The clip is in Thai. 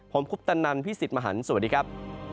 ผมคุปตันนันพี่สิทธิ์มหันฯสวัสดีครับ